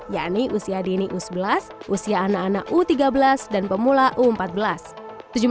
yakni usia dini u sebelas usia anak anak u tiga belas dan pemula u empat belas